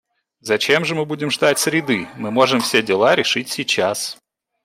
Зачем же мы будем ждать среды, мы можем все дела решить сейчас.